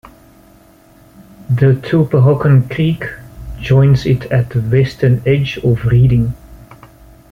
The Tulpehocken Creek joins it at the western edge of Reading.